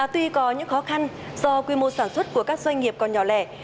tuy có những khó khăn do quy mô sản xuất của các doanh nghiệp còn nhỏ lẻ